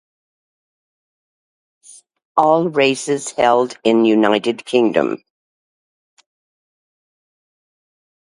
All races held in United Kingdom.